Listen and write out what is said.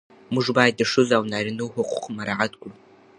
موږ باید د ښځو او نارینه وو حقوق مراعات کړو.